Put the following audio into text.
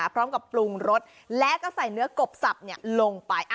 พร้อมกับปรุงรสและก็ใส่เนื้อกบสับลงไป